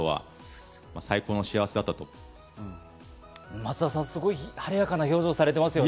松田さん、すごい晴れやかな表情をされていますよね。